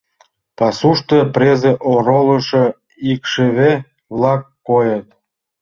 Пасушто презе оролышо икшыве-влак койыт.